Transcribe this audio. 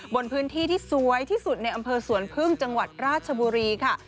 บนพื้นที่ที่สวยที่สุดในอำเภอสวนพึ่งจังหวัดราชบุรีค่ะ